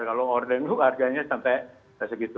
kalau ordenu harganya sampai segitu